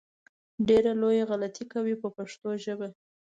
ډېره لویه غلطي کوي په پښتو ژبه.